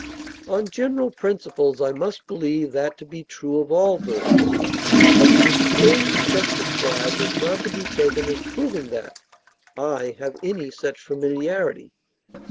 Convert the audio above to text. On general principles, I must believe that to be true of all birds. But the experience just described is not to be taken as proving that I have any such familiarity.